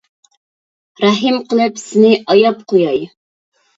رەھىم قىلىپ سېنى ئاياپ قوياي.